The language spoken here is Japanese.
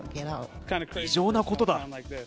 異常なことだ。